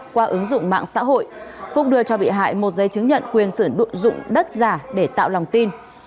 qua ứng dụng mạng xã hội phúc đưa cho bị hại một giấy chứng nhận quyền sử dụng đất giả để tạo lòng tin